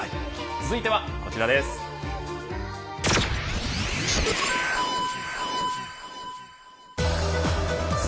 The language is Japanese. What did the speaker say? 続いてはこちらです。